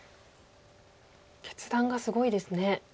決断がすごいですね。